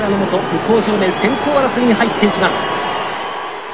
向正面先頭争いに入っていきます。